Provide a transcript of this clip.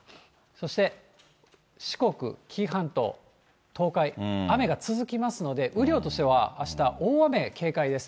そして四国、紀伊半島、東海、雨が続きますので、雨量としてはあした、大雨警戒です。